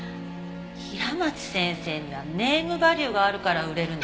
平松先生にはネームバリューがあるから売れるの。